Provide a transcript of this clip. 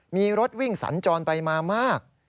มีรถวิ่งสัญจรไปมามาก